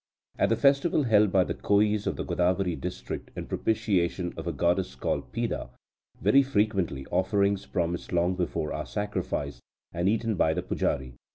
At the festival held by the Koyis of the Godavari district in propitiation of a goddess called Pida, very frequently offerings promised long before are sacrificed, and eaten by the pujari.